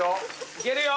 いけるよ！